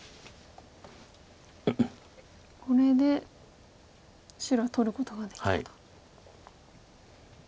これで白は取ることができたと。